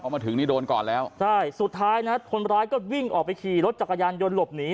มาถึงนี่โดนก่อนแล้วใช่สุดท้ายนะคนร้ายก็วิ่งออกไปขี่รถจักรยานยนต์หลบหนี